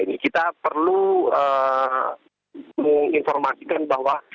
jadi kita perlu menginformasikan bahwa